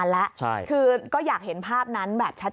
เราเห็นภาพนั้นแบบชัด